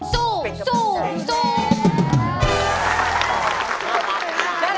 สุก